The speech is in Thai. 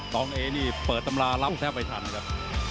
น้องเอนี่เปิดตำรารับแทบไม่ทันนะครับ